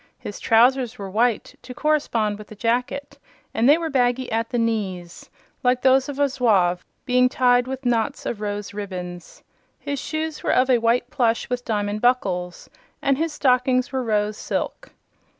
His trousers were white, to correspond with the jacket, and they were baggy at the knees like those of a zouave being tied with knots of rose ribbons. His shoes were of white plush with diamond buckles, and his stockings were rose silk.